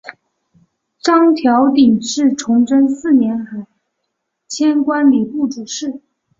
张调鼎是崇祯四年迁官礼部主事。